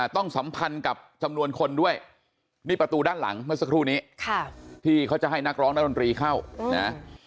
สัมพันธ์กับจำนวนคนด้วยนี่ประตูด้านหลังเมื่อสักครู่นี้ที่เขาจะให้นักร้องนักดนตรีเข้านะ